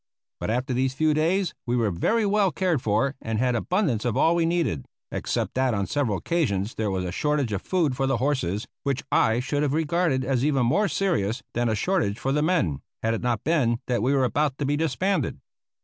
But after these few days we were very well cared for and had abundance of all we needed, except that on several occasions there was a shortage of food for the horses, which I should have regarded as even more serious than a shortage for the men, had it not been that we were about to be disbanded.